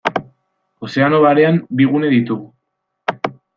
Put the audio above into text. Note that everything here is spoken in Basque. Ozeano Barean bi gune ditugu.